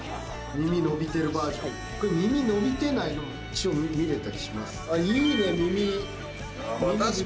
これ耳伸びてないの見れたりします？